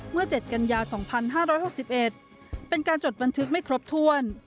เมื่อ๗กันยา๒๕๖๑เป็นการจดบันทึกไม่ครบถ้วน